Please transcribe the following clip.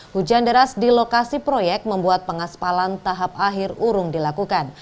hujan deras di lokasi proyek membuat pengaspalan tahap akhir urung dilakukan